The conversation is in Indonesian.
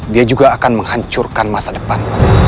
dia juga akan menghancurkan masa depan